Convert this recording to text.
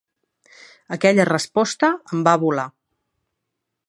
Aquella resposta em va volar.